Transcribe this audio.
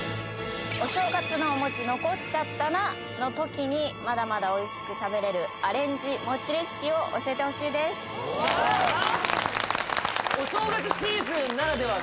お正月のお餅残っちゃったなの時にまだまだおいしく食べれるアレンジ餅レシピを教えてほしいですお正月シーズンならではの